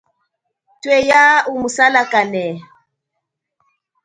Thweya umu salakane.